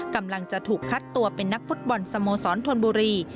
กำลังจะถูกคัดตัวเป็นนักฟุตบอลสโมสรธนบุรี